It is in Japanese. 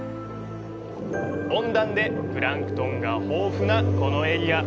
温暖でプランクトンが豊富なこのエリア。